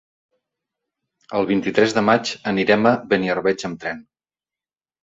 El vint-i-tres de maig anirem a Beniarbeig amb tren.